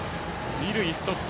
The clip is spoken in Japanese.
二塁ストップ。